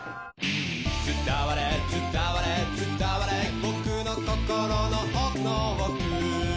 「伝われ伝われ伝われ僕の心の奥の奥」